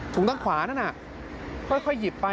ถุงตั้งขวานั่นอ่ะ